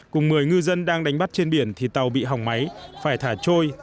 cùng một mươi ngư dân đang đánh bắt trên biển thì tàu bị hỏng máy phải thả trôi